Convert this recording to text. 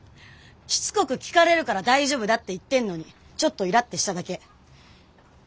しつこく聞かれるから大丈夫だって言ってんのにちょっとイラッてしただけ。